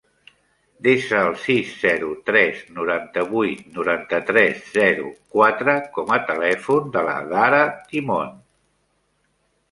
Desa el sis, zero, tres, noranta-vuit, noranta-tres, zero, quatre com a telèfon de l'Adhara Timon.